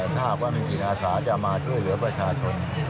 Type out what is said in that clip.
ถ้าหากว่ามีจิตอาสาจะมาช่วยเหลือประชาชน